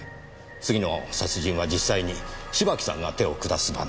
次の殺人は実際に芝木さんが手を下す番だ。